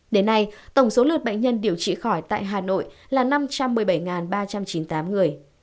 đến nay tổng số lượt bệnh nhân điều trị khỏi tại hà nội là năm trăm một mươi bảy ba trăm chín mươi tám người